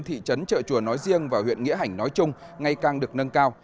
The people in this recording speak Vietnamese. thị trấn trợ chùa nói riêng và huyện nghĩa hành nói chung ngày càng được nâng cao